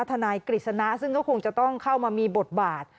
นายกฤษณะซึ่งก็คงจะต้องเข้ามามีบทบาท